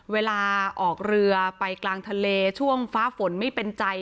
เวลาออกเรือไปกลางทะเลช่วงฟ้าฝนไม่เป็นใจ